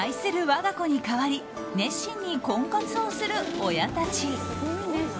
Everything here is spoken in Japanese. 我が子に代わり熱心に婚活をする親たち。